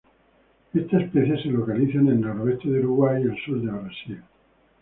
Esta especie se localiza en el noreste de Uruguay y el sur de Brasil.